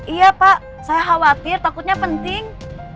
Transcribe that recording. iya pak saya khawatir takutnya penting